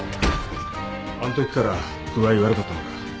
あのときから具合悪かったのか？